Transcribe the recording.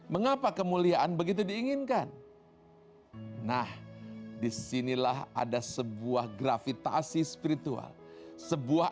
mengapa kemuliaan begitu diinginkan hai nah di sinilah ada sebuah gravitasi spiritual sebuah